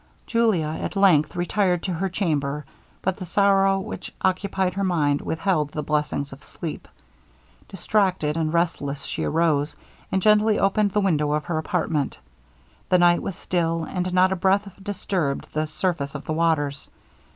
Julia, at length, retired to her chamber, but the sorrow which occupied her mind withheld the blessings of sleep. Distracted and restless she arose, and gently opened the window of her apartment. The night was still, and not a breath disturbed the surface of the waters.